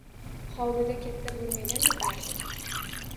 Hovlida katta bo`lmagan-da, baribir